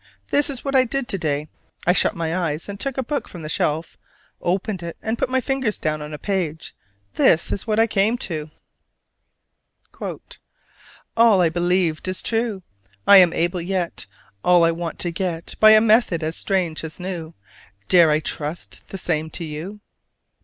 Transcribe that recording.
This is what I did to day. I shut my eyes and took a book from the shelf, opened it, and put my fingers down on a page. This is what I came to: "All I believed is true! I am able yet All I want to get By a method as strange as new: Dare I trust the same to you?"